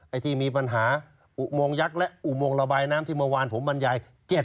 ที่มีปัญหาอุโมงยักษ์และอุโมงระบายน้ำที่เมื่อวานผมบรรยาย